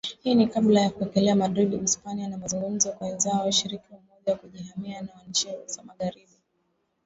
Hii ni kabla ya kuelekea Madrid, Uhispania kwa mazungumzo na wenzao wa ushirika wa Umoja wa Kujihami wa nchi za Magharibi